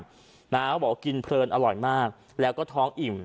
เขาบอกว่ากินเพลินอร่อยมากแล้วก็ท้องอิ่ม